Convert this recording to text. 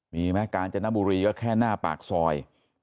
มีไหมกาญจนบุรีก็แค่หน้าปากซอย